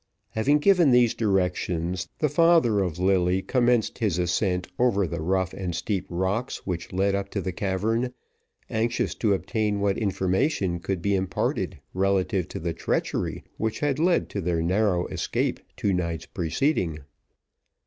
Having given these directions, the father of Lilly commenced his ascent over the rough and steep rocks which led up to the cavern, anxious to obtain what information could be imparted relative to the treachery which had led to their narrow escape two nights preceding.